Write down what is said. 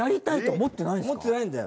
思ってないんだよ。